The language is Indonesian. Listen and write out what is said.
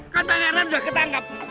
kan bang eram sudah ketangkep